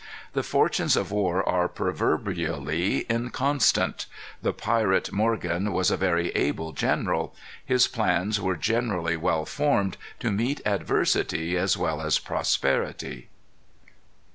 The fortunes of war are proverbially inconstant. The pirate Morgan was a very able general. His plans were generally well formed to meet adversity as well as prosperity.